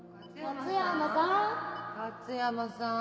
勝山さん。